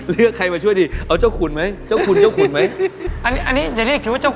พี่เชอรี่มาช่วยน้องหน่อยแล้ว